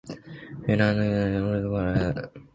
ベナンの憲法上の首都はポルトノボである